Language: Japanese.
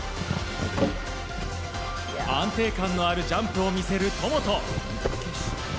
安定感のあるジャンプを見せる戸本。